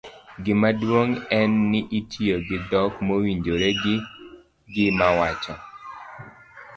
gimaduong' en ni itiyo gi dhok mowinjore gi gima wacho